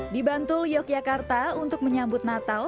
dibantul yogyakarta untuk menyambut natal